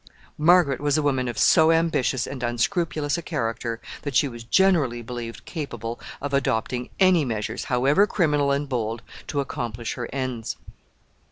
Margaret was a woman of so ambitious and unscrupulous a character, that she was generally believed capable of adopting any measures, however criminal and bold, to accomplish her ends.